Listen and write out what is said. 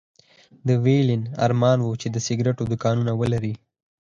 د ويلين ارمان و چې د سګرېټو دوکانونه ولري